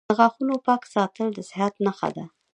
• د غاښونو پاک ساتل د صحت نښه ده.